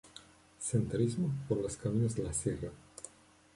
Senderismo por los caminos de la sierra.